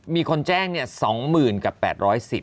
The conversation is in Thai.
มีคนแจ้งเนี่ย๒๐๐๐๐กับ๘๑๐บาท